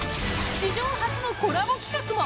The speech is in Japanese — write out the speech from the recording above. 史上初のコラボ企画も。